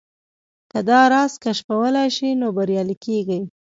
که دا راز کشفولای شئ نو بريالي کېږئ.